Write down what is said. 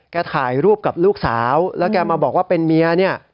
ถ่ายรูปกับลูกสาวแล้วแกมาบอกว่าเป็นเมียเนี่ย